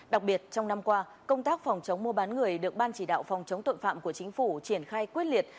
đặc biệt trong năm qua công tác phòng chống mua bán người được ban chỉ đạo phòng chống tội phạm của chính phủ triển khai quyết liệt